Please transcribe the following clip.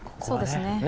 そうですね。